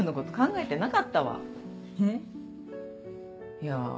いや。